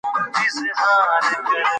ایا ته غواړې چې د تولستوی په څېر لیکوال شې؟